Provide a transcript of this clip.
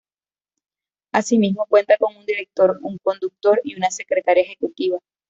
Asimismo cuenta con un director, un conductor y una secretaria ejecutiva.